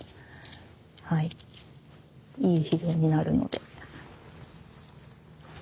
いい肥料になるので。